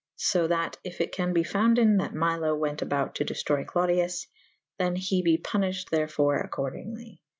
So that yf it can be founden that Milo went about to diftroye Clodius / than he be punyff had ther fore accordyngly.